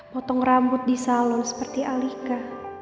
potong rambut di salon seperti alika